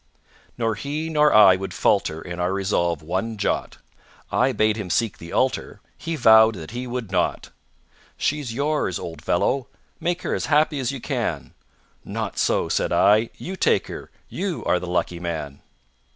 Nor he nor I would falter In our resolve one jot. I bade him seek the altar, He vowed that he would not. "She's yours, old fellow. Make her As happy as you can." "Not so," said I, "you take her You are the lucky man."